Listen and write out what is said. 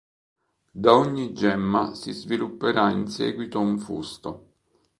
Da ogni gemma si svilupperà in seguito un fusto.